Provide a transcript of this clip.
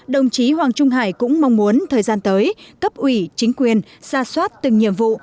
đồng chí hoàng trung hải cũng mong muốn thời gian tới cấp ủy chính quyền ra soát từng nhiệm vụ